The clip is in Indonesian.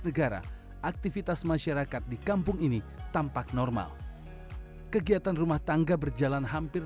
negara aktivitas masyarakat di kampung ini tampak normal kegiatan rumah tangga berjalan hampir